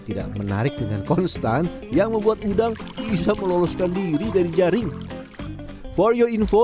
tidak menarik dengan konstan yang membuat udang bisa meloloskan diri dari jaring for your info